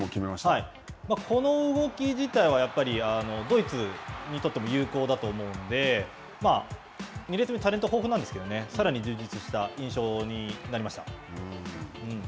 この動き自体は、やっぱりドイツにとっても有効だと思うので、２列目タレント豊富なんですけどね、さらに充実した印象になりました。